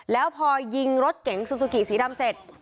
แล้วพอยิงรถเก๋งซูซูกิสีดำเสร็จ